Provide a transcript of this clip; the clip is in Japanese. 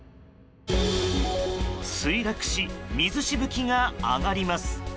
墜落し、水しぶきが上がります。